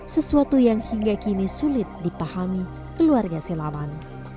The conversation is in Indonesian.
sesuatu yang hingga kini sulit dipahami keluarga silaman